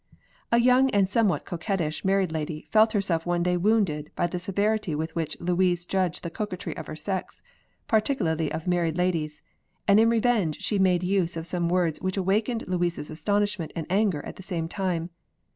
A young and somewhat coquettish married lady felt herself one day wounded by the severity with which Louise judged the coquetry of her sex, particularly of married ladies, and in revenge she made use of some words which awakened Louise's astonishment and anger at the same time.